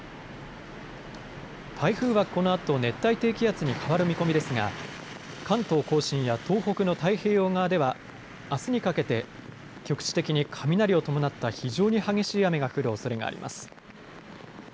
台風はこのあと熱帯低気圧に変わる見込みですが関東甲信や東北の太平洋側ではあすにかけて局地的に雷を伴った非常に激しい雨が降るおそれがあります。